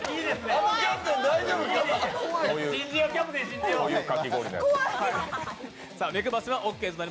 あのキャプテン大丈夫かな？